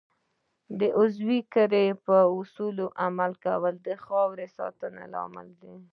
د عضوي کرنې پر اصولو عمل کول د خاورې د ساتنې لامل دی.